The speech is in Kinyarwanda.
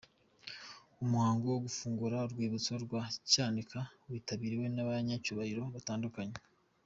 Umuhango wo gufungura urwibutso rwa Cyanika witabiriwe n’abanyacyubahiro batandukanye.